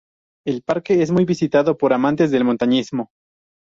El Parque es muy visitado por amantes del montañismo.